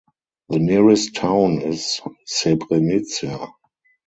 The nearest town is Srebrenica.